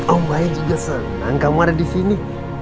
om baik juga seneng kamu ada disini